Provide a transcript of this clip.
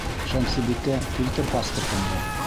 Шәмсебикә, килтер паспортыңды!